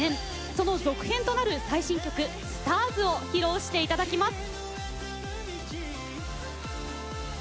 その続編となる最新曲「ＳＴＡＲＳ」を披露していただきます。